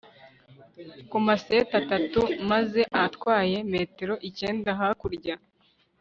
Ku maseti atatu meza atwaye metero icyenda hakurya